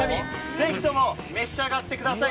ぜひとも召し上がってください！